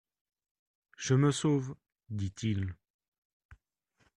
Je me sauve, dit-il.